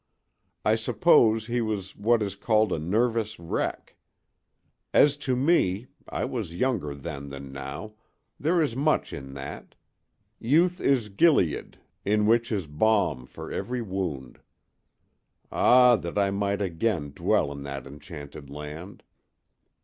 I suppose he was what is called a "nervous wreck." As to me, I was younger then than now—there is much in that. Youth is Gilead, in which is balm for every wound. Ah, that I might again dwell in that enchanted land!